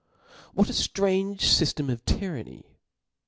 What a ftrange fyftem of tyranny